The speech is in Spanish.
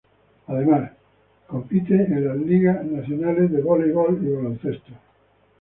Además, compite en las ligas nacionales de Voleibol y Baloncesto.